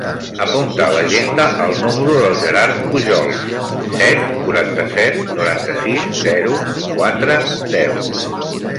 Apunta a l'agenda el número del Gerard Pujols: set, quaranta-set, noranta-sis, zero, quatre, deu.